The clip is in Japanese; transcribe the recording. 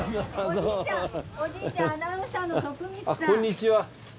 こんにちは。